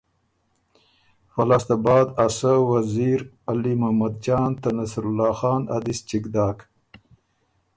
فۀ لاسته بعد ا سۀ وزیر علی احمد جان ته نصرالله خان ا دِس چِګ داک